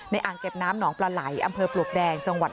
อ่างเก็บน้ำหนองปลาไหลอำเภอปลวกแดงจังหวัด